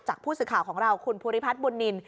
ผู้สื่อข่าวของเราคุณภูริพัฒน์บุญนิน